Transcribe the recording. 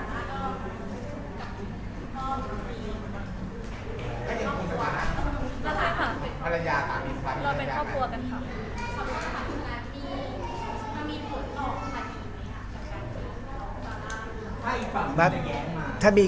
กับพ่ออยู่ที่มี